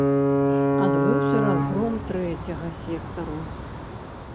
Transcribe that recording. Адбыўся разгром трэцяга сектару.